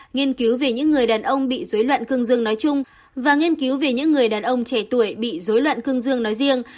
nghiên cứu về những người đàn ông bị dối loạn cương dương nói chung và nghiên cứu về những người đàn ông trẻ tuổi bị dối loạn cương dương nói riêng